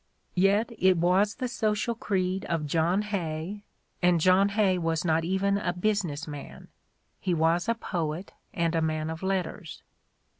Yet it was the social creed of John Hay, and John Hay was not even a busi ness man; he was a poet and a man of letters.